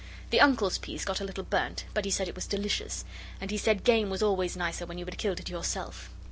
The Uncle's piece got a little burnt, but he said it was delicious, and he said game was always nicer when you had killed it yourself.